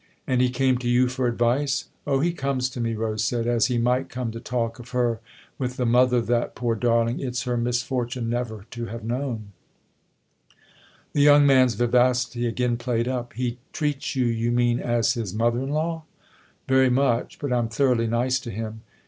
" And he came to you for advice ?"" Oh, he comes to me," Rose said, " as he might come to talk of her with the mother that, poor dar ling, it's her misfortune never to have known," THE OTHER HOUSE 57 The young man's vivacity again played up. " He treats you, you mean, as his mother in law ?"" Very much. But I'm thoroughly nice to him.